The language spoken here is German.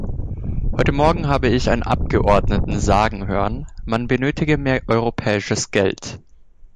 Heute morgen habe ich einen Abgeordneten sagen hören, man benötige mehr europäisches Geld.